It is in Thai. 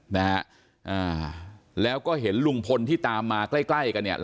นะฮะอ่าแล้วก็เห็นลุงพลที่ตามมาใกล้ใกล้กันเนี่ย